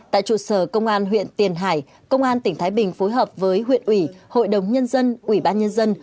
tại trụ sở công an huyện tiền hải công an tỉnh thái bình phối hợp với huyện ủy hội đồng nhân dân ủy ban nhân dân